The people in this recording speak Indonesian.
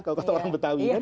kalau kata orang betawi kan